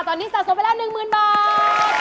ตอนนี้สะสมไปแล้ว๑๐๐๐บาท